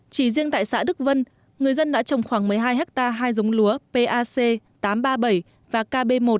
chỉ riêng tại xã đức vân người dân đã trồng khoảng một mươi hai hectare hai giống lúa pac tám trăm ba mươi bảy và kb một